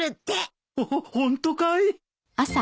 ホッホントかい！？